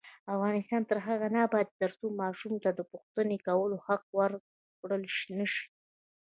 افغانستان تر هغو نه ابادیږي، ترڅو ماشوم ته د پوښتنې کولو حق ورکړل نشي.